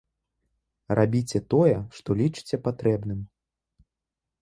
Рабіце тое, што лічыце патрэбным.